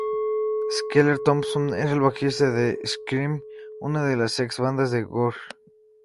Skeeter Thompson era el bajista de Scream una de las ex bandas de Grohl.